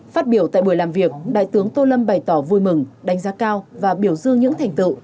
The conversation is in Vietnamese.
phát biểu tại buổi làm việc đại tướng tô lâm bày tỏ vui mừng đánh giá cao và biểu dương những thành tựu